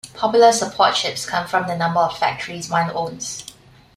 Popular Support chips come from the number of Factories one owns.